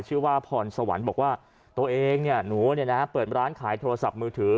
ชื่อว่าพรสวรรค์บอกว่าตัวเองเนี่ยหนูเปิดร้านขายโทรศัพท์มือถือ